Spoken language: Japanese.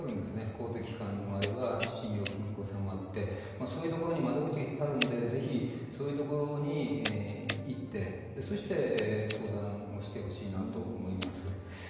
公的機関もあれば信用金庫さんもあってそういうところに窓口がいっぱいあるのでぜひ、そういうところにいってそして、相談をしてほしいなと思います。